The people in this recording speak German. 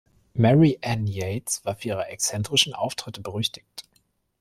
Mary Ann Yates war für ihre exzentrischen Auftritte berüchtigt.